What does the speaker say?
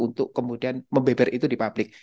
untuk kemudian membeber itu di publik